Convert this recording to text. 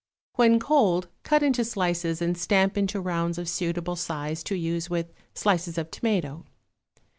When cold cut into slices and stamp into rounds of suitable size to use with slices of tomato.